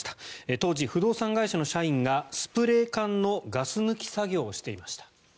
当時、不動産会社の社員がスプレー缶のガス抜き作業をしていました。